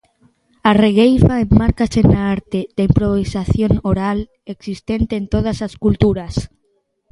A regueifa enmárcase na arte da improvisación oral, existente en todas as culturas.